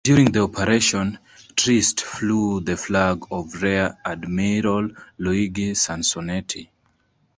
During the operation, "Trieste" flew the flag of Rear Admiral Luigi Sansonetti.